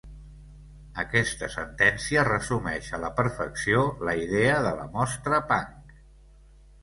Aquesta sentència resumeix a la perfecció la idea de la mostra Punk.